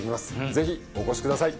ぜひお越しください！